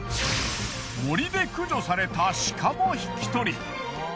森で駆除された鹿も引き取り